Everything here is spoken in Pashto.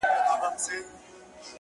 • په غومبر یې وه سینه را پړسولې ,